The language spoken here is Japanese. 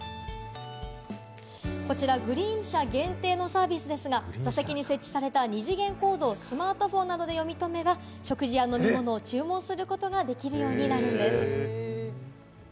こちらグリーン車限定のサービスですが、座席に設置された二次元コードをスマートフォンなどで読み込めば、食事や飲み物を注文することができるようになるんです。